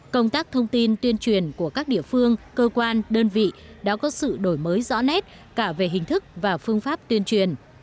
công tác thông tin tuyên truyền của các địa phương cơ quan đơn vị đã có sự đổi mới rõ nét cả về hình thức và phương pháp tuyên truyền